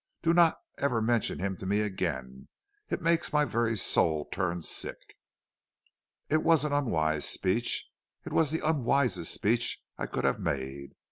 Do not ever mention him to me again. It makes my very soul turn sick.' "It was an unwise speech; it was the unwisest speech I could have made.